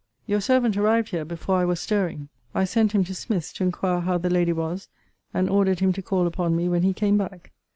Your servant arrived here before I was stirring. I sent him to Smith's to inquire how the lady was; and ordered him to call upon me when he came back.